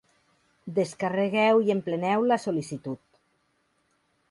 Descarregueu i empleneu la sol·licitud.